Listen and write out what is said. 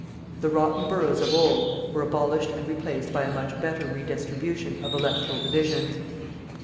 The rotten boroughs of old were abolished and replaced by a much better redistribution of electoral divisions.